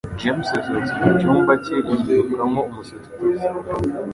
James yasohotse mu cyumba cye, yikuramo umusatsi utose